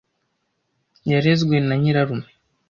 Yarezwe na nyirarume.